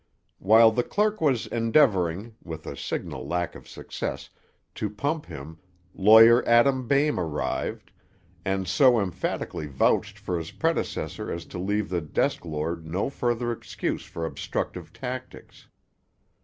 While the clerk was endeavoring, with signal lack of success, to pump him, Lawyer Adam Bain arrived, and so emphatically vouched for his predecessor as to leave the desk lord no further excuse for obstructive tactics.